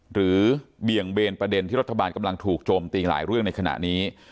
เบี่ยงเบนประเด็นที่รัฐบาลกำลังถูกโจมตีหลายเรื่องในขณะนี้